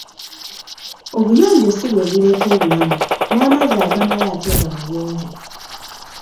Obuyonjo ssi bwe buleeta obulamu, n'amazzi agamala ate nga mayonjo.